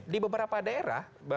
di beberapa daerah